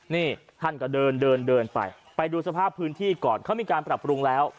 นี่ท่านก็เดินเดินเดินไปไปดูสภาพพื้นที่ก่อนเขามีการปรับปรุงแล้ว